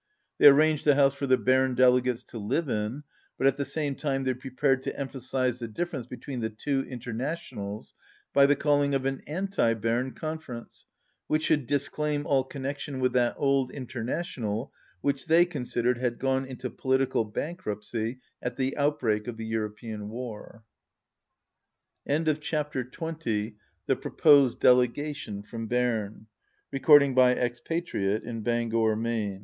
They arranged a house for the Berne dele gates to live in, but at the same time they pre pared to emphasize the difference between the two Internationals by the calling of an anti Berne con ference which should disclaim all connection with that old International which they considered had gone into political bankruptcy at the outbreak of the European war. 160 THE EXECUTIVE COMMITTEE ON THE RIVAL PARTIES February 26th.